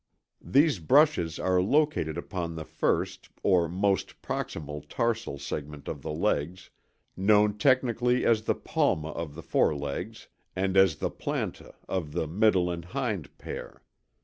These brushes are located upon the first or most proximal tarsal segment of the legs, known technically as the palmæ of the forelegs and as the plantæ of the middle and hind pair.